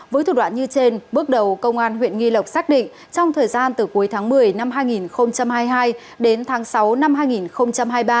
với thủ đoạn như trên bước đầu công an huyện nghi lộc xác định trong thời gian từ cuối tháng một mươi năm hai nghìn hai mươi hai đến tháng sáu năm hai nghìn hai mươi ba